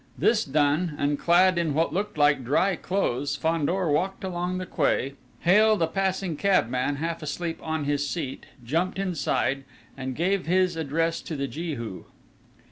This done, and clad in what looked like dry clothes, Fandor walked along the quay, hailed a passing cabman half asleep on his seat, jumped inside, and gave his address to the Jehu.